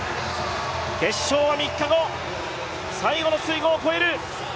決勝は３日後、最後の水濠を越える。